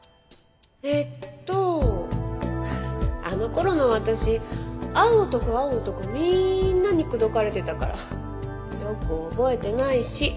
えっとあの頃の私会う男会う男みーんなに口説かれてたからよく覚えてないし。